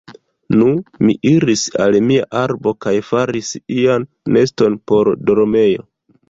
Nu, mi iris al mia arbo kaj faris ian neston por dormejo.